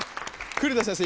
栗田先生